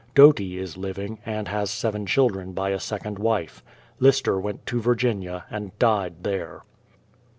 Doty is living, and has seven children by a second wife. Lister went to Virginia and died there.